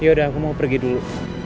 yaudah aku mau pergi dulu